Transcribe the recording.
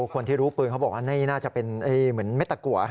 คนที่รู้ปืนเขาบอกว่านี่น่าจะเป็นเหมือนเด็ดตะกัว